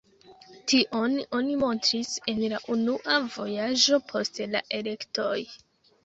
Tion oni montris en la unua vojaĝo post la elektoj.